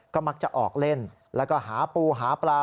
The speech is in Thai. ก็มักจะออกเล่นแล้วก็หาปูหาปลา